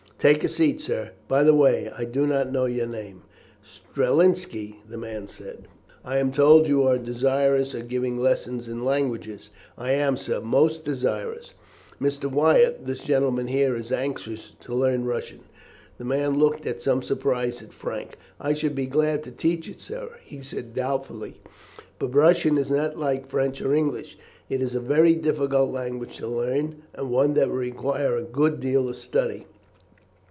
"Take a seat, sir. By the way, I do not know your name." "Strelinski," the man said. "I am told that you are desirous of giving lessons in languages." "I am, sir, most desirous." "Mr. Wyatt, this gentleman here, is anxious to learn Russian." The man looked with some surprise at Frank. "I should be glad to teach it, sir," he said doubtfully, "but Russian is not like French or English. It is a very difficult language to learn, and one that would require a good deal of study.